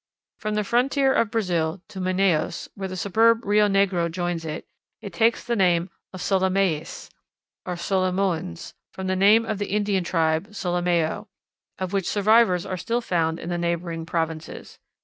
From the frontier of Brazil to Manaos, where the superb Rio Negro joins it, it takes the name of the Solimaës, or Solimoens, from the name of the Indian tribe Solimao, of which survivors are still found in the neighboring provinces.